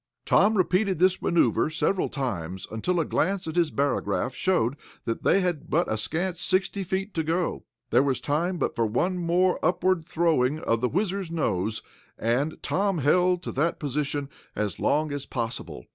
Tom repeated this maneuver several times, until a glance at his barograph showed that they had but a scant sixty feet to go. There was time but for one more upward throwing of the WHIZZER's nose, and Tom held to that position as long as possible.